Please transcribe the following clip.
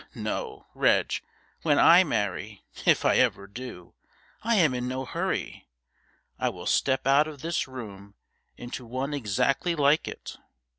No, Reg, when I marry, if ever I do I am in no hurry I will step out of this room into one exactly like it.'